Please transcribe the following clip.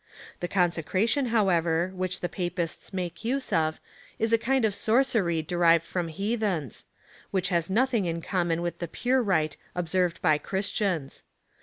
The consecra tion, however, which the Papists make use of, is a kind of sorcery derived from heathens,* which has nothing in common with the pure rite observed by Christians.